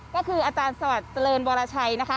ก็คืออาจารย์สวัสดิ์เจริญวรชัยนะคะ